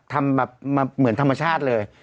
ทำแบบเหมือนธรรมชาติเลย